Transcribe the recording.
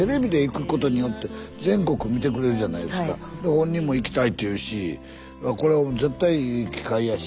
本人も行きたいっていうしこれ絶対いい機会やし。